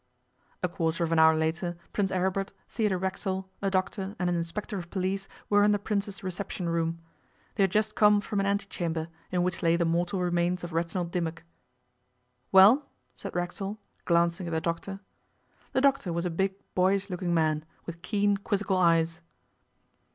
A quarter of an hour later Prince Aribert, Theodore Racksole, a doctor, and an inspector of police were in the Prince's reception room. They had just come from an ante chamber, in which lay the mortal remains of Reginald Dimmock. 'Well?' said Racksole, glancing at the doctor. The doctor was a big, boyish looking man, with keen, quizzical eyes.